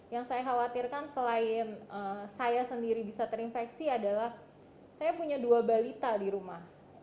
yang saya khawatirkan selain saya sendiri bisa terinfeksi adalah saya punya dua balita di rumah